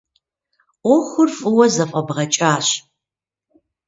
Ӏуэхур фӏыуэ зэфӏэбгъэкӏащ.